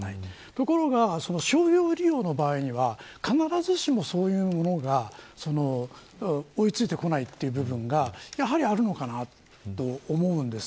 ところが、商業利用の場合には必ずしもそういうものが追い付いてこないという部分がやはりあるのかなと思うんです。